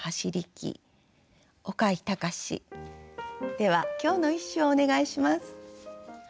では今日の一首をお願いします。